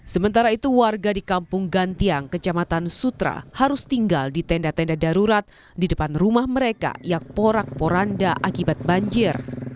sementara itu warga di kampung gantiang kecamatan sutra harus tinggal di tenda tenda darurat di depan rumah mereka yang porak poranda akibat banjir